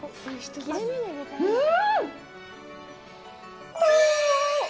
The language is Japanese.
うん！